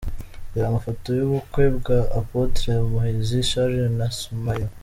Reba amafoto y’ubukwe bwa Apotre Muhizi Charles na Sumaya.